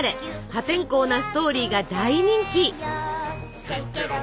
破天荒なストーリーが大人気！